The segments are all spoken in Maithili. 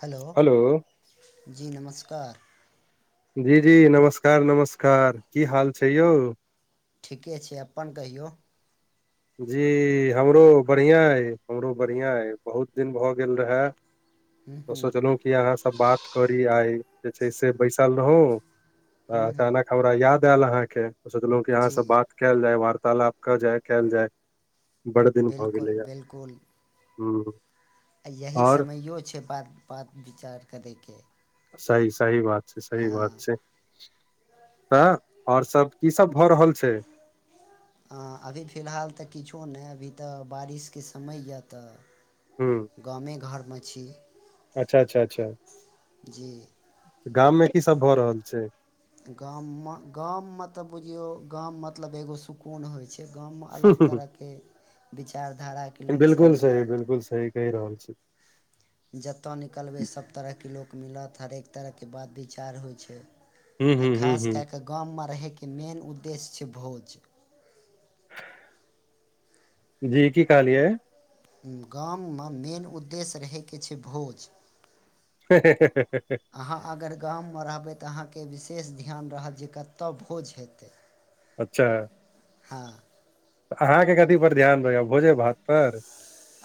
हेलो जी नमस्कार, जी जी नमस्कार नमस्कार, की हाल छै यौ? ठीके छै। अप्पन कहियौह? जी हमरो बढ़ियां अइ हमरो बढ़ियां अइ बहुत दिन भऽ गेल रहेए। तऽ सोचलहु कि अहाँ स बात करी आइ जे छै से बैसल रहूं, तऽ अचानक हमरा याद आएल अहाँके सोचलहु कि अहाँ जी से बात केएल जाय वार्तालाप कऽ जाय। केएल जाय बड़ दिन भऽ बिलकुल गेलैये। हूॅं। आ यही समैयो छै बात, बात विचार करय के। सही, सही बात छै सही बात छै। तह और सभ कीसभ भऽ रहल छै? हँ अभी फिलहाल ते किछो नै अभी तऽ बारिश के समय यऽ तऽ हूं गामे घर मे छी। अच्छा, अच्छा, अच्छा, जी गाम मे की सब भऽ रहल छै? गाम म - गाम म तऽ बुझियौ गाम मतलब एगो सुकून होइ छै। एक गाम मे अलग छै तरह के विचारधारा के बिलकुल सही बिलकुल सही कहि रहल छी। जतऽ निकलबै सब तरहके लोक मिलत हरेक तरह के बात विचार होइ छै। हूँ आ हूँ हूँ खास हूँ केए कऽ गाम मे रहय के मेन उद्देश्य छै भोज। जी की कहलियै? गाम मे मेन उद्देश्य रहै के छै भोज। ह [inaudible] अहाँ अगर गाममे रहबै तऽ अहाँके विशेष ध्यान रहत जे कतऽ भोज हेतै? अच्छा। [inaudible] हँ। तऽ अहाँके कथी पर ध्यान रहैया, भोजे भात पर?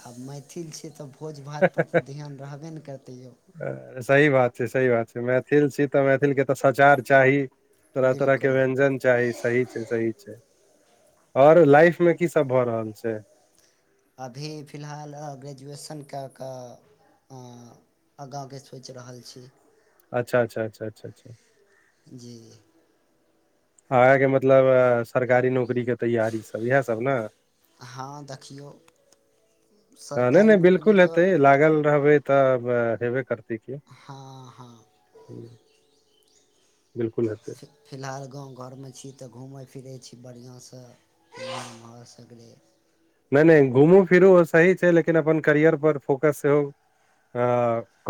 हम मैथिल छियै तऽ भोज भात पर तऽ ध्यान रहबे ने करतै यौ? [inaudible] सही बात। से सही बात छै मैथिल छी तऽ मैथिलके तऽ सचार चाही। तरह तरह के बिलकुल व्यञ्जन चाही सही। सही छै [inaudible] आओर लाइफ मे की सब भऽ रहल छै? अभी फिलहाल ग्रेजुएशन क क अं आगाँके सोचि रहल छी। अच्छा-अच्छा-अच्छा-अच्छा-अच्छा। [unintelligible] जी। आहाँके मतलब सरकारी नौकरी के तैयारी सब, इएह सब न। हँ देखियौ। हं सरकारी नै-नै नौकरी बिलकुल तऽ हेतै, लागल रहबै त ब हेबे करतै की? हँ हँ हुं [inaudible] बिलकुल हेतै। फिलहाल गाँव घरमे छी तऽ घूमै फिरै छी बढ़ियां सँ। [unintelligible] सगरे। नै-नै घुमू फिरु सही छै, लेकिन अपन करियर पर फोकस सेहो अ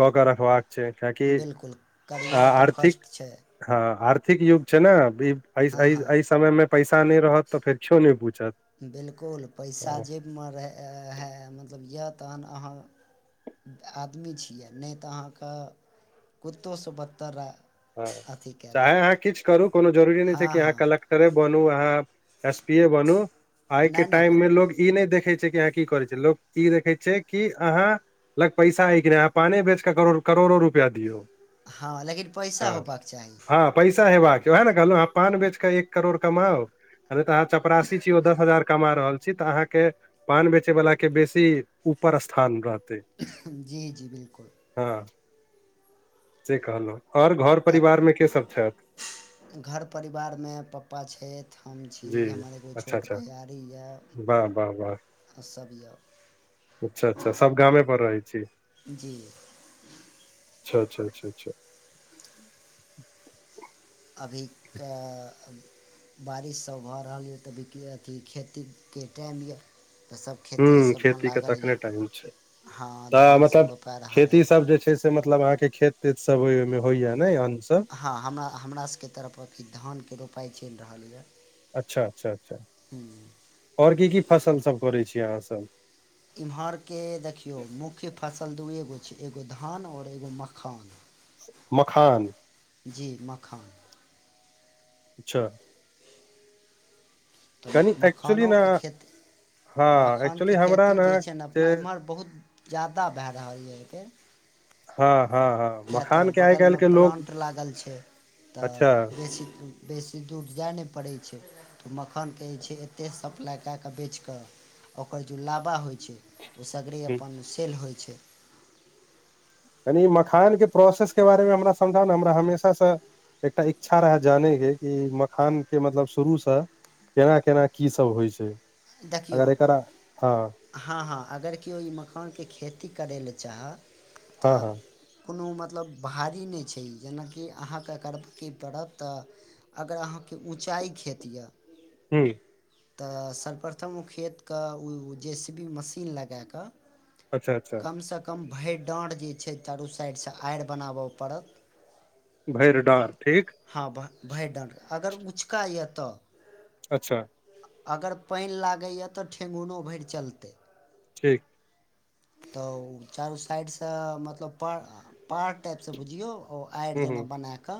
क-क रखबाक छै, किएकि बिलकुल [inaudible] आ करियर तऽ आर्थिक फर्स्ट छै हँ आर्थिक युग छै न, वी ऐ हँ ऐ हँ अही समय मे पैसा नै रहत तऽ फेर किओ नै पूछत। बिलकुल पैसा हँ जेबमे रहा हा मतलब य त अहाँ आदमी छी आ नै तऽ अहाँके [inaudible] कुत्तोसँ बत्तर रा [inaudible] हँ चाहे अहाँ किछ करू, कोनो जरूरी नै छै हँ कि अहाँ हँ कलेक्टरे बनूं अहाँ एस पीए बनूं, आइ के नहि नहि टाइम मे कोन लोग ई नै देखे छै कि अहाँ की करै छी। लोक ई देखे छै कि अहाँ लग पैसा ऐ कि नै। अहाँ पाने बेच क करो करोड़ो रुपआ दियौ। हँ लेकिन पैसा हँ होबाक [inaudible] चाही हँ पैसा हेबाक छै, उएह ने कहलहुँ ह पान बेच कऽ एक करोड़ कमाउ अभी तऽ अहाँ चपरासी छी ओ दस हजार कमा रहल छी तऽ अहाँके पान बेचै वला के बेसी ऊपर स्थान रहतै। [unintelligible] जी जी बिलकुल। हँ [inaudible] से कहलहुँ आओर घर परिवारमे के सभ छथि? घर परिवारमे पप्पा छथि, हम छी हमर एगो छोट भैयारी या। वाह-वाह-वाह। फंसबिअ अच्छा-अच्छा सब गामे पर रहै छी। [inaudible] जी अच्छा-अच्छा-अच्छा- अच्छा। अभी का अ बारिश सब भऽ रहल य तऽ [unintelligible] अथी खेतीके टाइम य। हुं खेती के त अखने टाइम छै। हँ तऽ धान सब मतलब रोपा रहल अइ खेती सब जे छै स से मतलब अहाँके खेत तेत सब अइ, ओइ मे होइया ने अन्न सब? हँ हमरा हमरा सबके तरफ अथि धानके रोपाइ चलि रहल यऽ अच्छा अच्छा अच्छा आओर की की फसल सब करै छीियै अहाँसभ। इम्हर के देखियो मुख्य फसल दूए गो छै। एगो धान और एगो मखान। मखान। जी मखान अच्छा तऽ कनि एक्चुअली ने मखानोके खेती हँ एक्चुअली मखानके हमरा खेती जे छै। ने से अपना एमहर बहुत ज्यादा भए रहल यऽके हँ हँ हँ किएक तऽ मखान के आइ काल्हि बगलमे के लोग प्लान्ट लागल छै। अच्छा तऽ बेसी। बेसी दूर जाय नहि पड़ै छै। तऽ मखानके जे छै। एते सप्लाइ कए कऽ बेच कऽ ओकर जे लाबा होइ छै ओ सगरे ह अपन सेल होइ छै। यानि ई मखानके प्रोसेस के बारेमे हमरा समझाउ ने हमरा हमेशासँ एकटा इच्छा रहै जानैके कि मखान के मतलब शुरूसँ केना केना की सब होइ छै। देखियौ। अगर एकरा हँ हँ हँ अगर केओ ई मखानके खेती करय लए चाहय हँ तऽ हँ कोनो मतलब भारी नहि छै जेनाकि अहाँकेँ एकर की पड़त तऽ अगर अहाँके ऊँचाइ खेत यए। हूँ। तऽ सर्वप्रथम खेतके ओ जे सी बी मशीन लगाए कऽ। अच्छा अच्छा। कमसँ कम भरि डाँढ़ जे छै चारू साइडसँ आएड़ बनाबऽ पड़त भैरडार ठीक। हँ भ भरि डाँढ़ अगर उँचका यए तऽ। अच्छा। अगर पानि लागैए तऽ ठेहुुनो भरि चलतै। ठीक। तऽ ओ चारू साइडसँ मतलब पार पाहाड़ टाइपसँ बुझियौ। आएड़ ह ह जेना बनाकऽ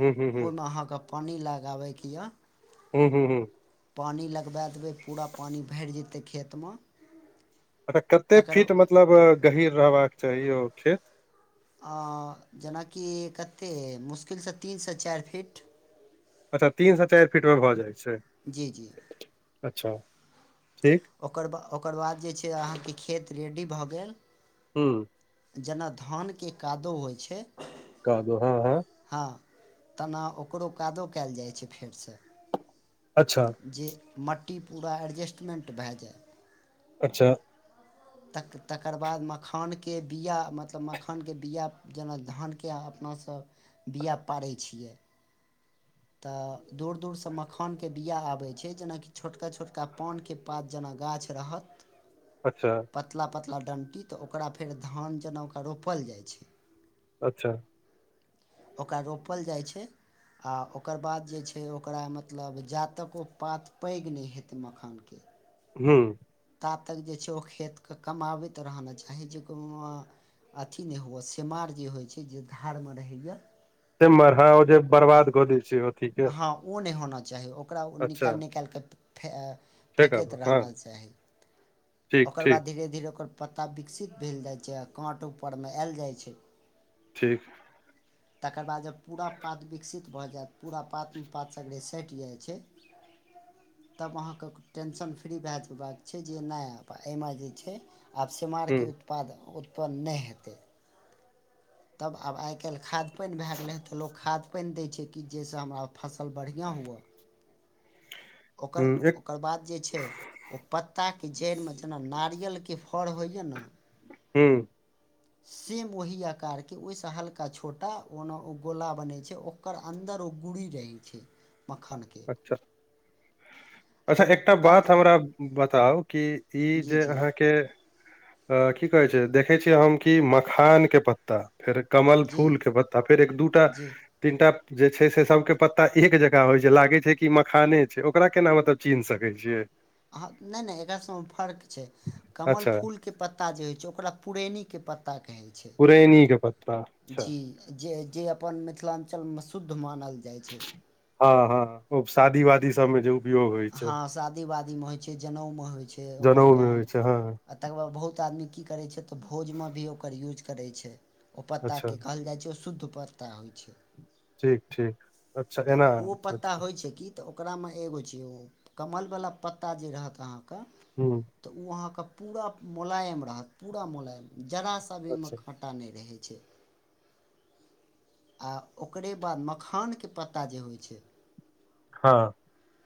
ह ह अहाँके पानि लगाबैके यऽ। हू हू हू। पानि लगबा देबै पूरा पानि भरि जेतै खेतमे। अ कते तकर फीट मतलब गहीर रहबाक चाही ओ खेत अ जेनाकि कतेक मुश्किलसँ तीनसँ चारि फीट अच्छा तीनसँ चारि फीटमे भऽ जाइ छै। जी जी। अच्छा ठीक ओकर ब ओकर बाद जे छै अहाँके खेत रेडी भऽ गेल हू। जेना धानके कादो होइ छै। कादो हँ हँ। हँ तेना ओकरो कादो कयल जाइ छै फेरसँ। अच्छा। जे मट्टी पूरा एडजस्टमेंट भए जाय। अच्छा। तक तकर बाद मखानके बीआ मतलब मखानके बीआ जेना धानके अपनासभ- - बिया पारै छियै- - तऽ दूर दूरसँ मखानके बिया आबै छै जेनाकि छोटका छोटका पानके- - पात जेना गाछ रहत- - अच्छा- - पतला पतला डणटी तऽ ओकरा फेर धान जेना ओकरा रोपल जाइ छै- - अच्छा- - ओकरा रोपल जाइ छै आ ओ- - ओकर बाद जे छै ओकरा मतलब जातक ओ पात पैघ नहि हेतै मखानके हू कातल जे छै ओ खेतक कमभावेत रहा मे चही जे को मा अथी नइ हुअ सेमार जे होइ छै जे घारमे रहै इये सेमर हओ जे बर्बाद कऽ दै छै ओथीके हँ ओ नयि होना चाही ओकरा निकाइल निकाइलके फ-ए से फेकैत कहबो हँ रहना चाही ठीक ओकर बाद ठीक धीरे धीरे ओकर पत्ता विकसित भेल जाइ छै आ काँट ऊपरमे आयल जाइ छै। ठीक। तकर बाद जब पूरा पात विकसित भ जेत पूरा पातमे पात सगें सइट जाइ छै‌। [inaudible] तब अहाँक क टेंशन फ्री रहेत हे भय। छै जे ना पा एमे जे छै आब हूँ सेमारके उत्पाद उत्पन्न नइ हेतै। तब आब आइ कैल खाद पइन भए गेलै हँ तऽ लोक खाद पाइन दै छै कि जे सँ हमरा फसल बढ़िआँ हुअ। [inaudible] ओकर - एक ओकर बाद जे छै ओ पत्ताके जइड़मे जेना नारियलके फर होइए न हम्म सेम ओही आकार के ओइ सँ हल्का, छोटा ओना ओ गोला बनै छै ओकर अन्दर ओ गुड़ी रहै छै। मखाने अच्छा अच्छा जब ओ एकटा पूरा बात तरह हमरा बताउ कि ई जी जे जी अहाँके अ की कहे छै देखै छियै हम कि मखान के पत्ता फेर कमल जी फूल के पत्ता, फेर एक दूटा जी तीनटा जे छै से सबके पत्ता एक जेका होइ छै लागै छै कि मखाने छै, ओकरा केना मतलब चिन्ह सकैऽ छियै? हँ नयि नयि एकरा सब फर्क छै कमल अच्छा फूलके पत्ता जे होइ छै ओकरा पुरेनीके पत्ता कहै छै। पुरेनी के पत्ता अच्छा जी जे-जे अपन मिथिलांचल में शुद्ध मानल जाइ छै। हँ-हँ ओ शादी वादी सबमे जे उ हँ शादी वादीमे होइ छै, जनउमे होइ छै ओकर जनउ मे काम। होइ छै हँ आ तकर बाद बहुत आदमी की करै छै तऽ भोजमे भी ओकर यूज करै छै। ओ अच्छा पत्ताके कहल जाइ छै ओ शुद्ध पत्ता होइ छै। ठीक ठीक अच्छा तऽ एना ओ अच्छा पता अच्छा होइ छै की तऽ ओकरा मे एगो छै ओ कमल वला पत्ता जे रहत अहाँके हम्म तऽ ओ अहाँके पूरा मोलायम रहत पूरा मोलायम जरा सा भी एयि में अच्छा ख ता नै रहै छै। आ ओकरे बाद मखान के पत्ता जे होइ छै, हँ।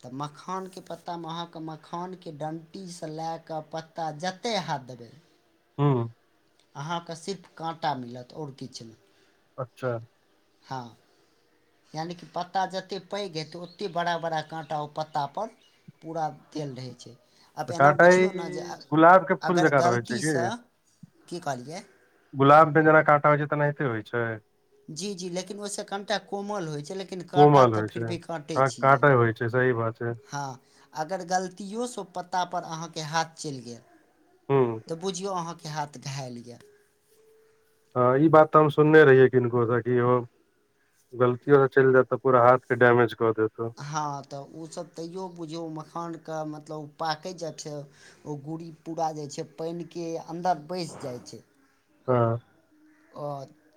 तऽ मखान के पत्ता म अहाँक मखान के डण्टी सँ लेए कऽ पत्ता जत्तै हाथ देबै हूँ अहाँक सिर्फ काँटा मिलत और किछ ने। अच्छा। हँ। यानि कि पत्ता जत्ते पैघ हेतै ओत्ते बड़ा - बड़ा काँटा ओ पत्ता पर पूरा तेल रहै छै। आब तऽ एना काँटा ई बुझियौ नऽ जे अ- गुलाब के फूल अगर जकाँ रहै गलती छै की सँ, की कहलियै, गुलाब मे जेना काँटा होइ छै तेनाहिते होइ छै? जी जी लेकिन ओहि से कनिटा कोमल होइ छै लेकिन काँटा त फिर भी काँटे छियै। से होइ छै सही बात छै। हँ अगर गलतियो सँ पत्ता पर अहाँके हाथ चलि गेल हूँ। त बुझियौ अहाँके हाथ घायल येऽ। हॅं ई बात तऽ हम सुनने रहियै किनको से कि ह गलतियो से चलि जेएत तऽ पूरा हाथ के डैमेज कऽ देत ओ। हँ त उ सब तैयो बुझियौ मखान क मतलब पाकै ज छै ओ गुड़ी पूरा जे छै पाइन के अन्दर बैस जाइ छै। हँ। ओ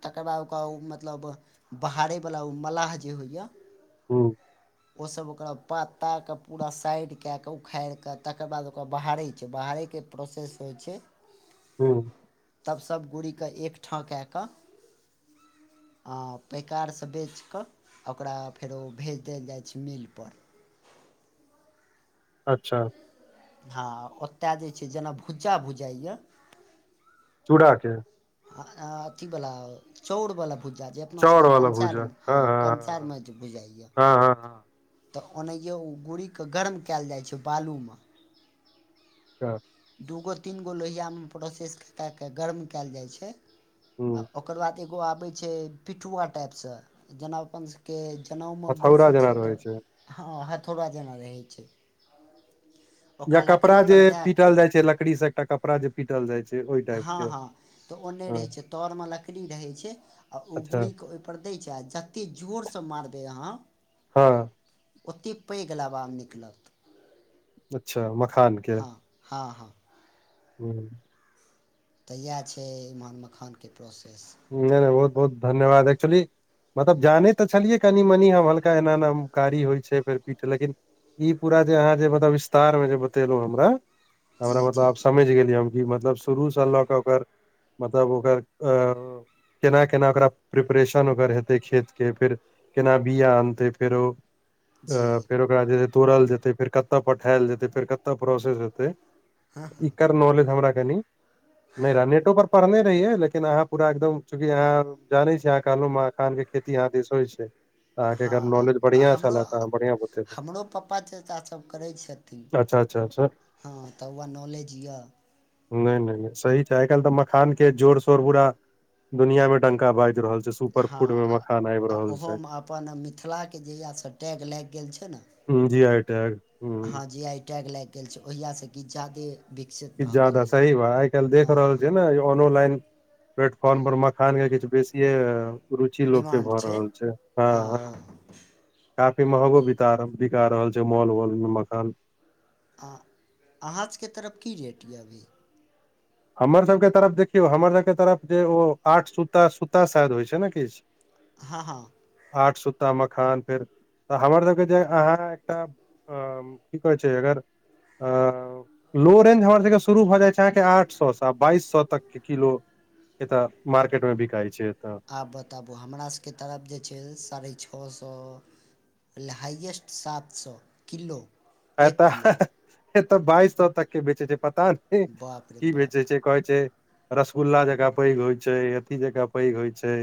तकर बाद ओकरा ओ मतलब बहारैबला ओ मलाह जे होइयऽ, हँ ओ सब ओकरा पत्ता क पूरा साइड केए कऽ उखाड़ि कऽ तकर बाद ओकरा बहारै छै, बहारै के प्रोसेस होइ छै। हूं तब सब गुड़ी क एक ठाँ केए कऽ आ पैकार स बेच कऽ ओकरा फेरो भेज देल जाइत छै मील पर। अच्छा। हँ ओत्तेए जे छै जेना भुज्जा भुजाइयऽ, चूड़ा के? अ अथी बला चौर बला भुज्जा जे अपना चाउर सबके वाला कंसार भूजा मे हँ कंसार म जे भुजाइयऽ। हँ हँ त ओनहिये ओ गुड़ी क गरम केएल जाइ छै बालू मऽ। अच [unintelligible] दू गो तीन गो लोहिया म प्रोसेस केए कऽ गर्म केएल जाइ छै, आ हँ ओक ओकर बाद एगो आबै छै पिठुवा टाइप सँ जेना अपन स के जनउ मे हथौड़ा बैसै जेना छियै तऽ रहै छै हँ हथौड़ा जेना रहै छै। या ओकरा कपड़ा जे लकड़ीपर दए कऽ पीटल जाइ छै लकड़ी से एकटा कपड़ा जे पीटल जाइ छै ओइ टाइप हँ के। हँ तऽ ओ नै रहै हँ छै तर मे लकड़ी रहै छै। आ ओ अच्छा गुड़ी के ओइ पर दै छै आ जत्ते जोर सँ मारबै अहाँ हँ। ओते पैघ लाबा निकलत अच्छा मखान हँ हँ हँ। हूँ। तऽ इएह छै ईमान मखानके प्रोसेस नहि नहि बहुत बहुत धन्यवाद एकचुली मतलब जानै तऽ छलियै कनि मनी हम हल्का एना एना कारी होइ छै फेर पीठ लेकिन ई पूरा जे अहाँ जे मतब विस्तार मे जे बतेलहु हमरा हमरा जी मतलब जी आब समझि गेलियै हम कि मतलब शुरूसँ लऽ कऽ ओकर मतलब ओकर अ केना केना ओकरा प्रिपरेशन ओकर हेतै खेत के फेर केना बिया आनतै फेरो जी अ फेर ओकरा जे तोड़ल जेतै फेर कतऽ पठायल जेते फेर कतय प्रोसेस हेतै एकर नॉलेज हमरा कनि नहि रह नेटो पर पढ़ने रहियै लेकिन अहाँ पूरा एकदम चूँकि यहाँ जाने छी अहाँ कहलहुं मखान के खेती यहाँ दिस हो छै। अहाँके हँ एकर नॉलेज हॅं बढ़िया हमरो छले तऽ अहाँ बढ़िया बतेलहुँ हमरो पप्पा चाचा सब करै छथिन। [unintelligible] हँ तऽ वह नॉलेज यऽ। नहि नहि सही छै आइ काल्हि तऽ मखान के जोर शोर तऽ पुरा दुनिया मे डंका बाजि रहल छै सुपर फूड में मखान आबि आओ रहल छै ओहोमे अपन मिथिलाके जहियास से टैग लागि गेल छै ने। हूं जी टैग हुं हँ जी आइ टैग लाइग गेल छै ओहियासँ किछ जा्यदे। किछ जादा सही बा आइ काल्हि देख हँ रहल छै हँ ने। ऑनोलाइन प्लेटफॉर््म पर मखान के किछ बेसी रुचि लोकके भऽ रहल छै हँ हँ। काफी महगो बित बिका रहल छै मॉल वॉल मे मखान आ अहाँजके तरफ की रेट यऽ अभी हमरसभके तरफ देखियौ हमरसभके तरफ जे ओ आठ सुता सुूता शायद होइ छै ने किछु हँ हँ। आठ सुता मखान फेर तऽ हमर सबके जे अहाँ एकटा। की कहै छै अगर लो रेंज हमर सबके शुरू भऽ जाइ छै अहाँके आठ आठ सौ बाईस सौ तक के किलो एतय मार्केट मे बिकाइ छै एतऽ। आब बताबू हमरा सबके तरफ जे छै साढ़े छओ सौ। हाइएस्ट सात सौ किलो एक एतऽ किलो एतऽ बाइस सौ तक के बेचे छै पता नहि बाप रे की बेचै बाप छै। कहै छै रसगुल्ला जकाँ पैघ होइ छै अथी जकाँ पैघ होइ छै।